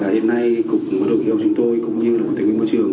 hiện nay cục ngoại trưởng hiệu chúng tôi cũng như cục tài nguyên môi trường